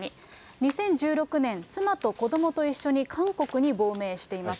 ２０１６年、妻と子どもと一緒に韓国に亡命しています。